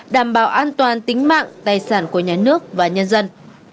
đảm bảo an toàn tính mạng tài sản của nhà nước và nhân dân